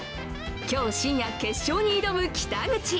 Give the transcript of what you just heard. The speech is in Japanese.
今日、深夜決勝に挑む北口。